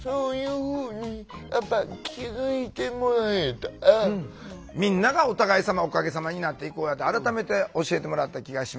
それは別にみんながお互いさまおかげさまになっていこうやって改めて教えてもらった気がします。